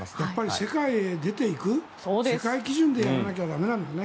世界へ出ていく世界基準でやらなきゃ駄目なんだね。